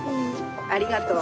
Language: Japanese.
ありがとう。